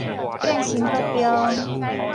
建成國中